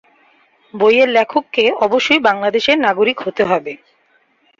বইয়ের লেখককে অবশ্যই বাংলাদেশের নাগরিক হতে হবে।